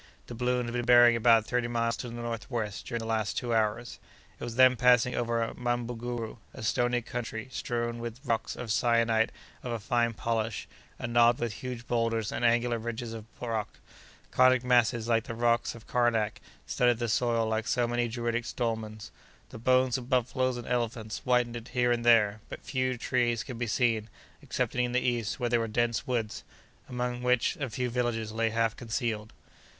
The balloon had been bearing about thirty miles to the northwest during the last two hours. It was then passing over Mabunguru, a stony country, strewn with blocks of syenite of a fine polish, and knobbed with huge bowlders and angular ridges of rock; conic masses, like the rocks of Karnak, studded the soil like so many Druidic dolmens; the bones of buffaloes and elephants whitened it here and there; but few trees could be seen, excepting in the east, where there were dense woods, among which a few villages lay half concealed.